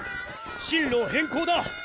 進路変更だ。